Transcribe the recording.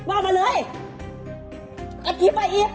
อาหารที่สุดท้าย